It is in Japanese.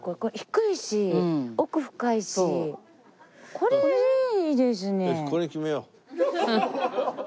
これいいですね。